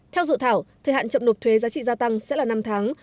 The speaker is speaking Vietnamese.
theo dự thảo thời hạn chậm nộp thuế giá trị gia tăng sẽ là năm tháng